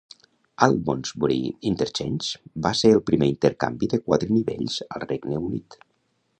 Almondsbury Interchange va ser el primer intercanvi de quatre nivells al Regne Unit.